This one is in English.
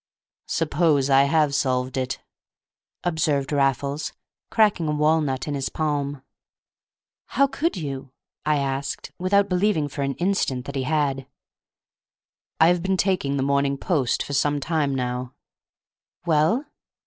"Suppose I have solved it," observed Raffles, cracking a walnut in his palm. "How could you?" I asked, without believing for an instant that he had. "I have been taking the Morning Post for some time now." "Well?"